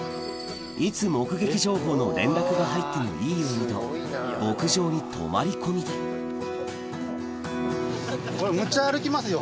いつ目撃情報の連絡が入ってもいいようにとむっちゃ歩きますよ。